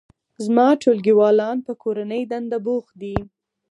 زما ټولګیوالان په کورنۍ دنده بوخت دي